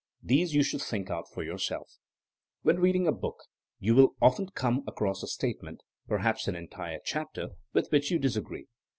These you should think out for yourself. When reading a book you will often come across a statement, perhaps an entire chapter, with which you disagree.